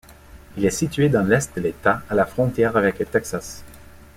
Il est situé dans l’est de l’État, à la frontière avec le Texas.